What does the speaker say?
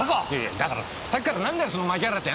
だからさっきから何だよその槇原って？